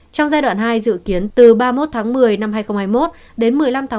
trong giai đoạn hai dự kiến từ ba mươi một một mươi hai nghìn hai mươi một đến một mươi năm một hai nghìn hai mươi hai